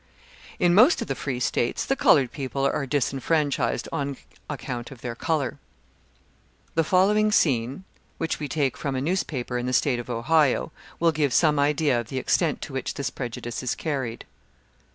In most of the Free States, the coloured people are disfranchised on account of their colour. The following scene, which we take from a newspaper in the state of Ohio, will give some idea of the extent to which this prejudice is carried.